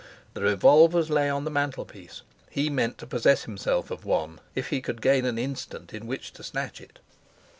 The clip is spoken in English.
The revolvers lay on the mantelpiece: he meant to possess himself of one, if he could gain an instant in which to snatch it.